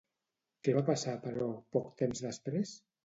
Què va passar, però, poc temps després?